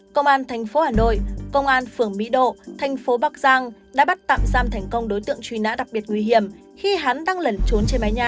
công an thành phố hà nội công an phường mỹ độ thành phố bắc giang đã bắt tạm giam thành công đối tượng truy nã đặc biệt nguy hiểm khi hắn đang lẩn trốn trên mái nhà